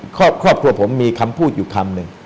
ครอบครัวผมมีคำพูดอยู่คำหนึ่ง